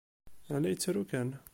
A la yettru kan.